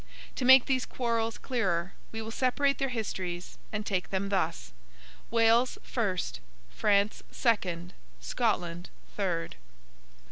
To make these quarrels clearer, we will separate their histories and take them thus. Wales, first. France, second. Scotland, third.